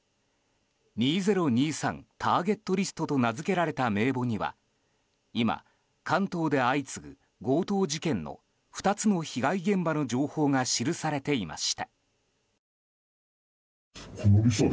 ２０２３ターゲットリストと名づけられた名簿には今、関東で相次ぐ強盗事件の２つの被害現場の情報が記されていました。